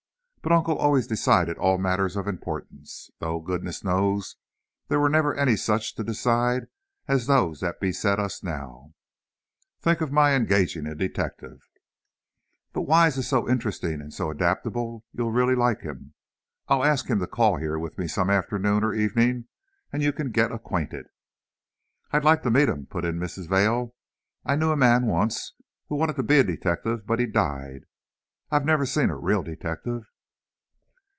But Uncle always decided all matters of importance, though, goodness knows, there never were any such to decide as those that beset us now! Think of my engaging a detective!" "But Wise is so interesting and so adaptable, you'll really like him. I'll ask him to call here with me some afternoon or evening and you can get acquainted." "I'd like to meet him," put in Mrs. Vail; "I knew a man once who wanted to be a detective, but he died. I've never seen a real detective."